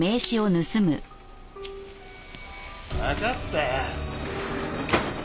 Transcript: わかったよ。